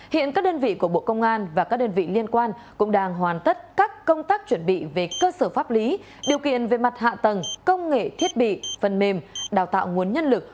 hiện các đơn vị của bộ công an và các đơn vị liên quan cũng đang hoàn tất các công tác chuẩn bị về cơ sở pháp lý điều kiện về mặt hạ tầng công nghệ thiết bị phần mềm đào tạo nguồn nhân lực